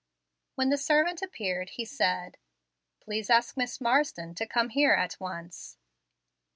When the servant appeared he said, "Please ask Miss Marsden to come here at once."